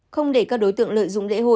không để các đối tượng lợi dụng lễ hội